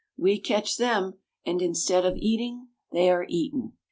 We catch them; and, instead of eating, they are eaten.